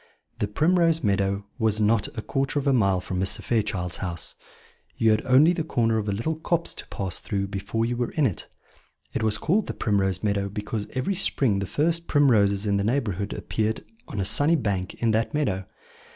The Primrose Meadow was not a quarter of a mile from Mr. Fairchild's house: you had only the corner of a little copse to pass through before you were in it. It was called the Primrose Meadow because every spring the first primroses in the neighbourhood appeared on a sunny bank in that meadow.